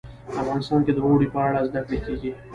افغانستان کې د اوړي په اړه زده کړه کېږي.